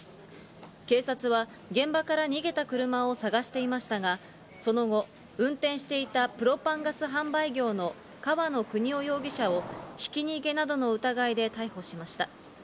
警察は現場から逃げた車を探していましたが、その後、運転していたプロパンガス販売業の川野邦雄容疑者をひき逃げなどの疑いで逮捕しました。